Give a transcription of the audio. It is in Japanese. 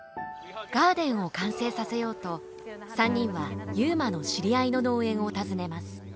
ガーデンを完成させようと３人は悠磨の知り合いの農園を訪ねます。